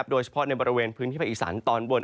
โดยเฉพาะบริเวณพื้นที่ใบอีกสรรคตอนบน